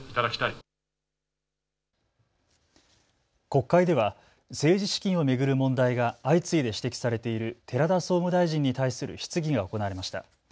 国会では政治資金を巡る問題が相次いで指摘されている寺田総務大臣に対する質疑が行われました。